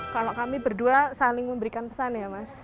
kalau kami berdua saling memberikan pesan ya mas